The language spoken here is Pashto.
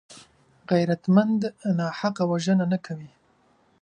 غیرتمند ناحقه وژنه نه کوي